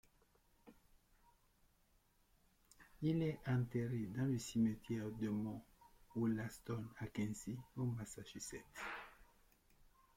Il est enterré dans le cimetière de Mount Wollaston à Quincy au Massachusetts.